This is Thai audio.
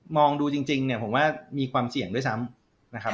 ดูจริงเนี่ยผมว่ามีความเสี่ยงด้วยซ้ำนะครับ